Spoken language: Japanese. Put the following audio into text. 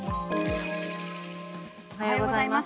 おはようございます。